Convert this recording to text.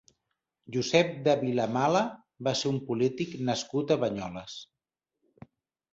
Josep de Vilamala va ser un polític nascut a Banyoles.